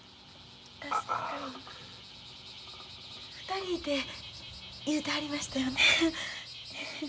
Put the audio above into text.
２人て言うてはりましたよね？